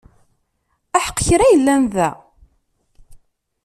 Aḥeqq kra yellan da!